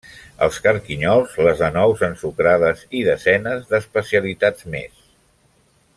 Els carquinyols, les anous ensucrades i desenes d’especialitats més.